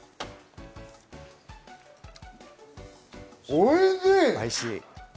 おいしい！